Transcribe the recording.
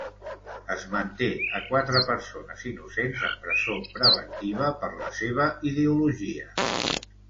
Es manté a quatre persones innocents en presó preventiva per la seva ideologia.